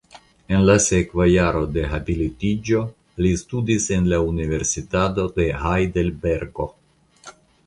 En la sekva jaro de habilitiĝo li studis en la Universitato de Hajdelbergo.